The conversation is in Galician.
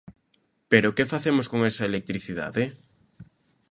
Pero que facemos con esa electricidade?